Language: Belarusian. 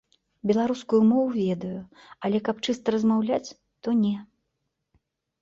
Беларускую мову ведаю, але каб чыста размаўляць, то не.